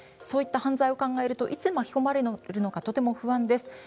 そういった犯罪を考えるといつ巻き込まれるのかとても不安です。